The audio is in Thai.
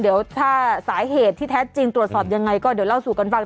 เดี๋ยวถ้าสาเหตุที่แท้จริงตรวจสอบยังไงก็เดี๋ยวเล่าสู่กันฟัง